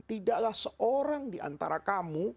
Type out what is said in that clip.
tidaklah seorang di antara kamu